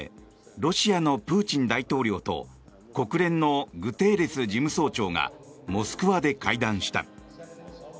ロシアのプーチン大統領と国連のグテーレス事務総長がモスクワで会談した。